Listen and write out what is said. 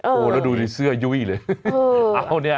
โอ้แล้วดูเสื้อยุ้ยเลยเอาเนี่ย